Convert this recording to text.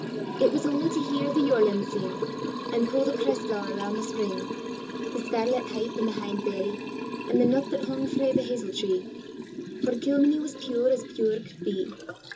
It was only to hear the yorlin sing, And pu' the cress flower round the spring; The scarlet hypp and the hindberrye, And the nut that hung frae the hazel tree; For Kilmeny was pure as pure could be.